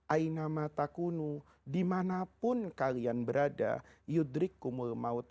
aina matakunu dimanapun kalian berada yudrik kumul maut